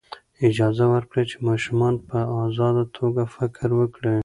اجازه ورکړئ چې ماشومان په ازاده توګه فکر وکړي.